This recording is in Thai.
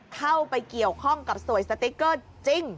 เข้าไปเกี่ยวข้องกับสวยสติ๊กเกอร์จริง